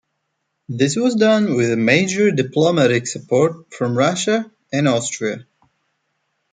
This was done with major diplomatic support from Russia and Austria.